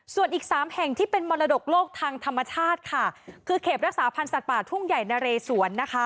ส่วนอีกสามแห่งที่เป็นมรดกโลกทางธรรมชาติค่ะคือเขตรักษาพันธ์สัตว์ป่าทุ่งใหญ่นะเรสวนนะคะ